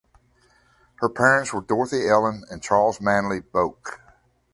Her parents were Dorothy Ellen and Charles Manley Boak.